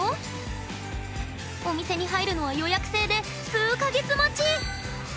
お店に入るのは予約制で数か月待ち！